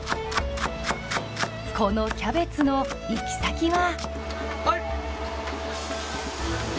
このキャベツの行き先は。